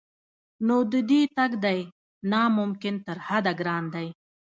نو د دې تګ دی نا ممکن تر حده ګران دی